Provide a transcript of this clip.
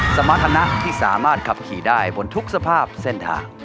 สมรรถนะที่สามารถขับขี่ได้บนทุกสภาพเส้นทาง